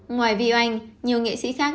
ngoài view anh nhiều nghệ sĩ khác